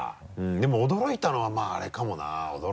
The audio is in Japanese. でも驚いたのはあれかもな。